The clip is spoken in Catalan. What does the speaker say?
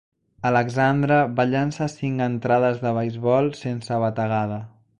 Alexandre va llançar cinc entrades de beisbol sense bategada.